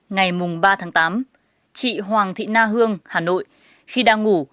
ngày ba tháng tám chị hoàng thị na hương hà nội khi đang ngủ